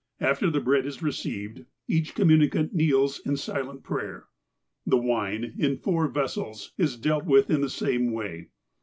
After the bread is received, each communicant kneels in silent prayer. The wine, in four vessels, is dealt with in the same way.